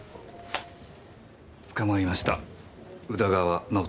捕まりました宇田川直人。